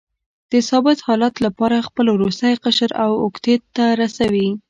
د ثابت حالت لپاره خپل وروستی قشر اوکتیت ته رسوي.